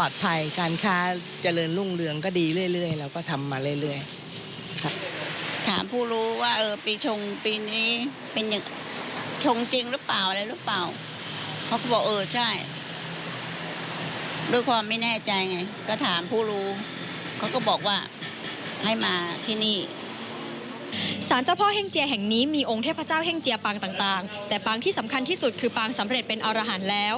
สารเจ้าพ่อเฮ่งเจียแห่งนี้มีองค์เทพเจ้าแห่งเจียปางต่างแต่ปางที่สำคัญที่สุดคือปางสำเร็จเป็นอรหันต์แล้ว